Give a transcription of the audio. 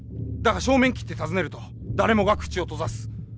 だが正面きって尋ねると誰もが口を閉ざす。